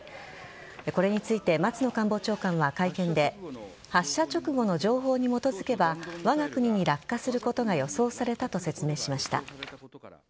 これについて松野官房長官は会見で発射直後の情報に基づけばわが国に落下することが予想されたと説明しました。